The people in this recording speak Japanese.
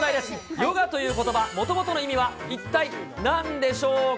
ヨガということば、もともとの意味は一体なんでしょうか？